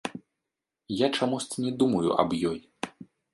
Я чамусьці не думаю аб ёй.